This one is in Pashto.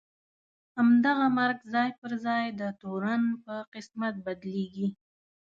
همدغه مرګ ځای پر ځای د تورن په قسمت بدلېږي.